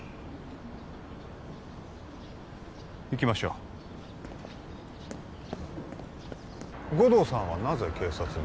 行きましょう護道さんはなぜ警察に？